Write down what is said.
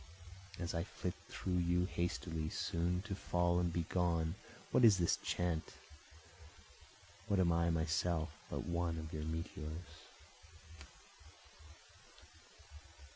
As I flit through you hastily, soon to fall and be gone, what is this chant, What am I myself but one of your meteors?